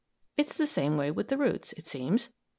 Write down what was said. It's the same way with the roots, it seems.